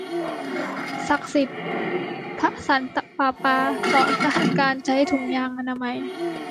ศักดิ์สิทธิ์ ! พระสันตะปาปาต่อต้านการใช้ถุงยางอนามัย